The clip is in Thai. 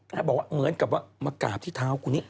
ถ้าบอกเหมือนกับว่ามากราบที่เท้ากูนี้